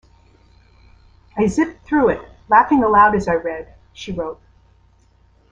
"I zipped through it, laughing aloud as I read," she wrote.